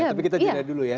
tapi kita jelaskan dulu ya